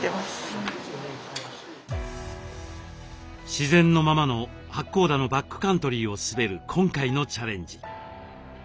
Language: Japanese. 自然のままの八甲田のバックカントリーを滑る今回のチャレンジ。